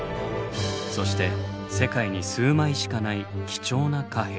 そして世界に数枚しかない貴重な貨幣も。